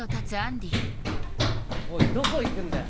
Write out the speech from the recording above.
おいどこ行くんだよ！